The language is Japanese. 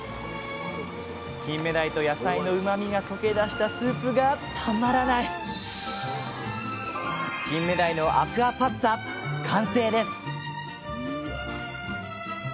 キンメダイと野菜のうまみが溶け出したスープがたまらないキンメダイのアクアパッツァ完成です！